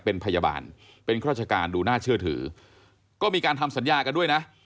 เป็นพยาบาลเป็นราชการดูน่าเชื่อถือก็มีการทำสัญญากันด้วยนะ